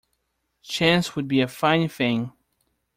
Chance would be a fine thing!